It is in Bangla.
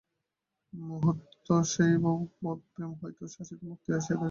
মুহূর্তস্থায়ী ভগবৎ-প্রেমোন্মত্ততা হইতেও শাশ্বতী মুক্তি আসিয়া থাকে।